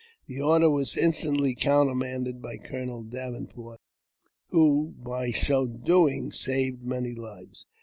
The order was instantly countermanded by Colonel Davenport, who, by so doing, saved many lives.